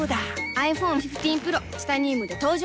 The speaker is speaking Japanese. ｉＰｈｏｎｅ１５Ｐｒｏ チタニウムで登場